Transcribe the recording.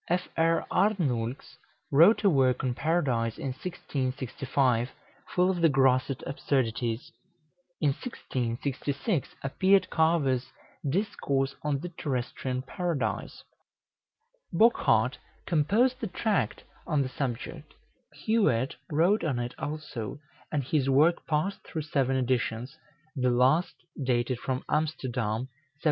Fr. Arnoulx wrote a work on Paradise in 1665, full of the grossest absurdities. In 1666 appeared Carver's "Discourse on the Terrestrian Paradise." Bochart composed a tract on the subject; Huet wrote on it also, and his work passed through seven editions, the last dated from Amsterdam, 1701.